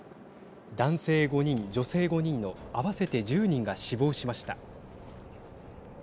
男性５人、女性５人の合わせて１０人が死亡しました。